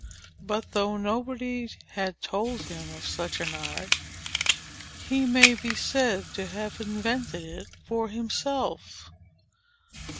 But, though nobody had told him of such an art, he may be said to have invented it for himself.